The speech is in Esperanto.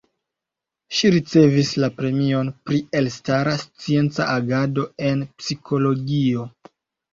Ŝi ricevis la premion pri elstara scienca agado en Psikologio.